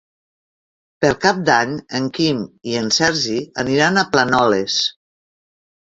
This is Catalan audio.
Per Cap d'Any en Quim i en Sergi aniran a Planoles.